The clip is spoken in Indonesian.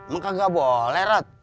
maka gak boleh rat